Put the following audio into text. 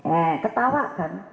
eh ketawa kan